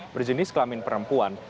berjenis kelamin perempuan